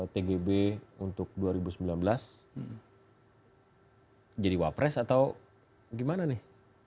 tgb untuk dua ribu sembilan belas jadi wapres atau gimana nih